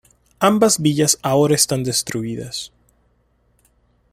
Ambas villas ahora están destruidas.